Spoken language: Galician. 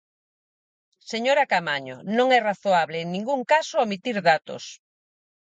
Señora Caamaño, non é razoable en ningún caso omitir datos.